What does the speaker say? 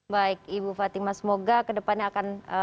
baik ibu fatima semoga kedepannya akan angka kasus akan setengah